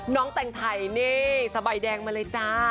น้องแต่งไทยนี่สบายแดงมาเลยจ้า